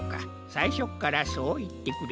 さいしょっからそういってくれ。